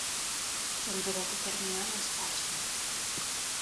El brote terminal es falso.